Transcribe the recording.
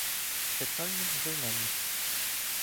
Питальні займенники